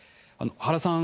原さん